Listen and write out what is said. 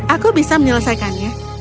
aku bisa menyelesaikannya